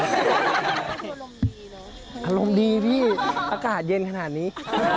อารมณ์ดีเนอะอารมณ์ดีพี่อากาศเย็นขนาดนี้